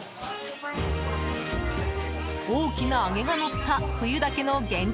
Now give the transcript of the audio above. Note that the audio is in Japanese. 大きな揚げがのった冬だけの限定